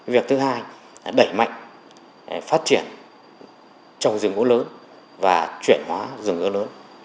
việc thứ hai đẩy mạnh phát triển trồng rừng gỗ lớn và chuyển hóa rừng gỗ lớn